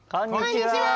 こんにちは！